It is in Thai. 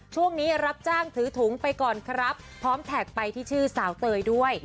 ช่วงนี้รับจ้างถือถุงไปก่อนครับพร้อมแท็กไปที่ชื่อสาวเตยด้วย